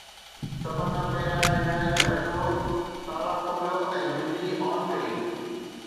سڀ کان پهريان هن گهر جو تالا کوليو ۽ بجلي آن ڪئي.